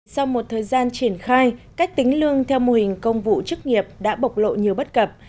sau một thời gian triển khai cách tính lương theo mô hình công vụ chức nghiệp đã bộc lộ nhiều bất cập